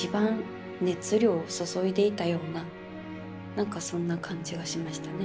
何かそんな感じがしましたね。